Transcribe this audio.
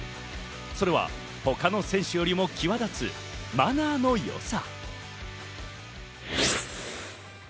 それは他の選手よりも際立つマナーのよさ。